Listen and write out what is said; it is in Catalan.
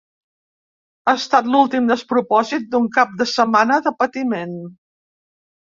Ha estat l’últim despropòsit d’un cap de setmana de patiment.